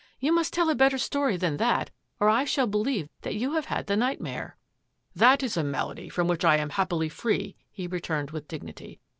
You must tell a better story than that or I shall believe that you have had the nightmare." " That is a malady from which I am happily free," he returned with dignity.